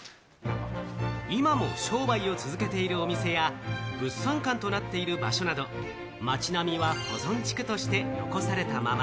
今も商売を続けているお店や、物産館となっている場所など、町並みは保存地区として残されたまま。